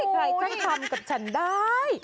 ใครจะทำกับฉันได้